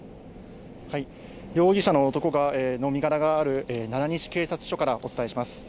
容疑者の男の身柄がある奈良西警察署からお伝えします。